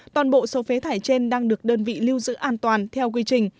toàn bộ số phế thải trên đang được đơn vị lưu giữ an toàn theo quy trình